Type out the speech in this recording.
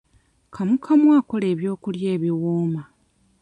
Kamukamu akola ebyokulya ebiwooma.